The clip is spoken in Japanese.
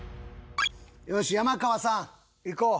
よし山川さんいこう。